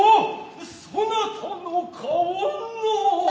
そなたの顔は。